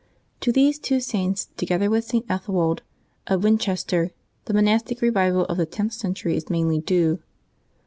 To these two Saints, together with Ethelwold of Win chester, the monastic revival of the tenth century is mainly due.